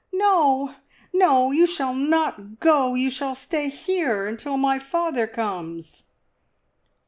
"No, no, you shall not go! You shall stay here until my father comes!"